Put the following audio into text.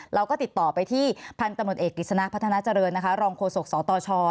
เราก็ติดต่อไปที่พันธุ์ตำรวจเอกกฤษณะพัฒนาเจริญนะคะรองโฆษกสตช